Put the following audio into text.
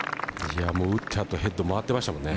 打ったあとヘッド回ってましたもんね。